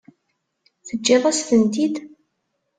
Teǧǧiḍ-as-tent-id?